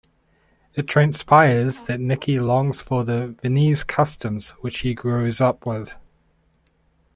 It transpires that Niki longs for the Viennese customs which he grows up with.